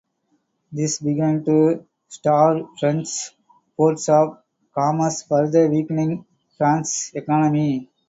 This began to starve French ports of commerce, further weakening France's economy.